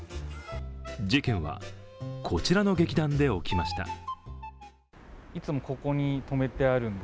事件は、こちらの劇団で起きました。